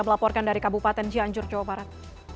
melaporkan dari kabupaten cianjur jawa barat